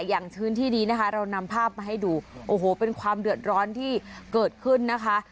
อย่างพื้นที่นี้นะคะเรานำภาพมาให้ดูโอ้โหเป็นความเดือดร้อนที่เกิดขึ้นนะคะ